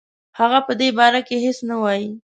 هغه په دې باره کې هیڅ نه وايي.